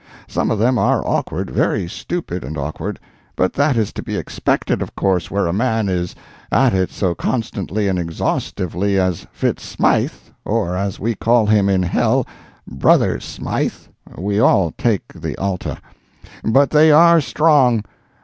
Some of them are awkward—very stupid and awkward—but that is to be expected, of course, where a man is at it so constantly and exhaustively as Fitz Smythe—or as we call him in hell, 'Brother Smythe'—we all take the Alta. But they are strong!